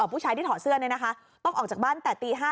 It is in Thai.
ผู้ชายที่ถอดเสื้อนี่นะคะต้องออกจากบ้านแต่ตี๕